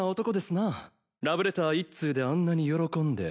ラブレター１通であんなに喜んで。